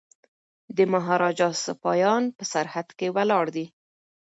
د مهاراجا سپایان په سرحد کي ولاړ دي.